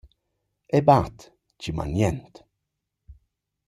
Eu bad chi m’han jent.